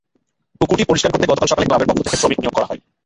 পুকুরটি পরিষ্কার করতে গতকাল সকালে ক্লাবের পক্ষ থেকে শ্রমিক নিয়োগ করা হয়।